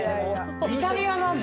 イタリアなんだ。